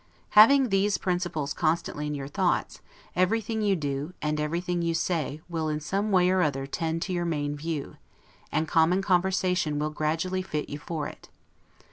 Having these principles constantly in your thoughts, everything you do and everything you say will some way or other tend to your main view; and common conversation will gradually fit you for it.